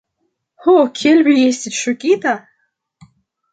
Ho, kiel vi estis ŝokita!